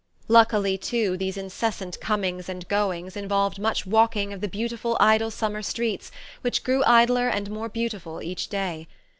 Luckily, too, these incessant comings and goings involved much walking of the beautiful idle summer streets, which grew idler and more beautiful each day.